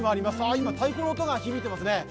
今、太鼓の音が響いてますね。